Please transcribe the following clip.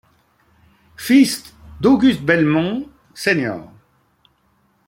Fils d'August Belmont, Sr.